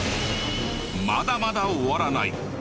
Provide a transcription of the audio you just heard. まだまだ終わらない。